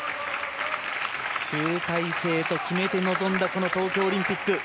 集大成と決めて臨んだこの東京オリンピック。